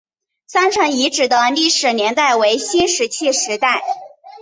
山城遗址的历史年代为新石器时代。